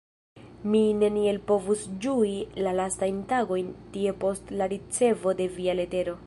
Mi neniel povus ĝui la lastajn tagojn tie post la ricevo de via letero.